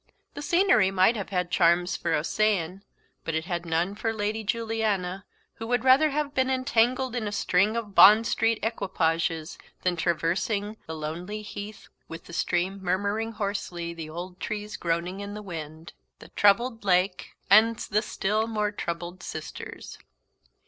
The scenery might have had charms for Ossian, but it had none for Lady Juliana, who would rather have been entangled in a string of Bond Street equipages than traversing "the lonely heath, with the stream murmuring hoarsely, the old trees groaning in the wind, the troubled lake," and the still more troubled sisters.